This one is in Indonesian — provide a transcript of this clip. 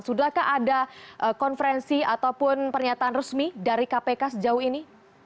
sudahkah ada konferensi ataupun pernyataan resmi dari kpk sejauh ini